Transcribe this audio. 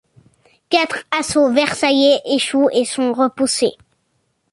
Quatre assauts versaillais échouent et sont repoussés.